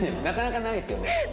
なかなかないですよね。